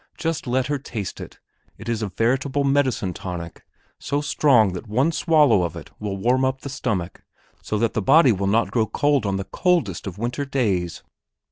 Just let her taste it; it is a veritable medicine tonic, so strong that one swallow of it will warm up the stomach, so that the body will not grow cold on the coldest of winter days.